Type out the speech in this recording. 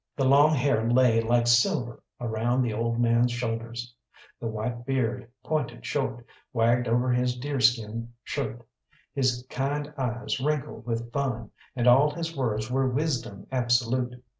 The long hair lay like silver around the old man's shoulders; the white beard, pointed short, wagged over his deerskin shirt; his kind eyes wrinkled with fun, and all his words were wisdom absolute.